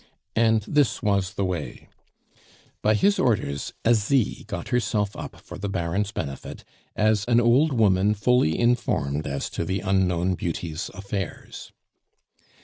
And this was the way: By his orders Asie got herself up for the Baron's benefit as an old woman fully informed as to the unknown beauty's affairs.